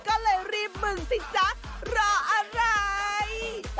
ก็เลยรีบมึงสิจ๊ะรออะไร